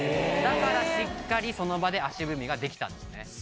だからしっかりその場で足踏みができたんですね。